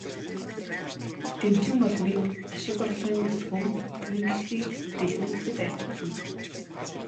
Дэмчигмоломыг ашиг орлогыг өсгөн, буян хишгийг дэлгэрүүлэхэд айлтгуулна.